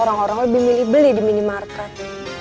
orang orang lebih milih beli di minimarket